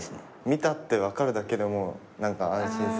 見たって分かるだけでも何か安心するっていうか。